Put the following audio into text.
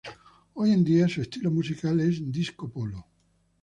Hoy en día su estilo musical es Disco Polo.